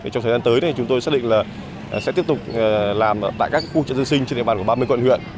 trong thời gian tới chúng tôi xác định là sẽ tiếp tục làm tại các khu trận dân sinh trên địa bàn của ba mươi quận huyện